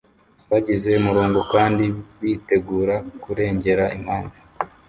bagize umurongo kandi bitegura kurengera impamvu